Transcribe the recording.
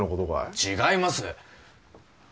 違います